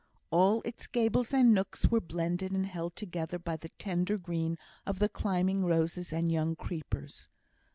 All its gables and nooks were blended and held together by the tender green of the climbing roses and young creepers.